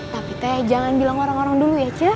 tapi teh jangan bilang orang orang dulu ya cek